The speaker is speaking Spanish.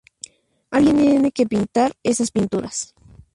Alguien tiene que pintar esas pinturas.